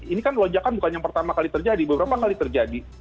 ini kan lonjakan bukan yang pertama kali terjadi beberapa kali terjadi